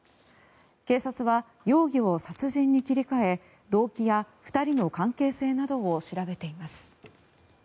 警察は容疑を殺人に切り替え動機や２人の関係性などを調べています。